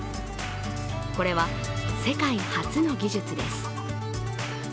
これは世界初の技術です。